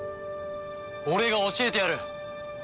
俺が教えてやる。